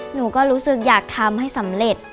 หนูก็รู้สึกอยากทำให้สำเร็จ